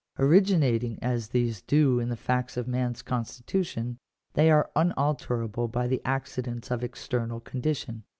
Originating as these do in the facts of man's constitution, they are unalterable by the accidents of external condition.